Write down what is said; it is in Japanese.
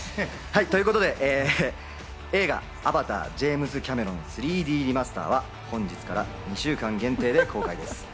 ということで、映画『アバター：ジェームズ・キャメロン３Ｄリマスター』は本日から２週間限定で公開です。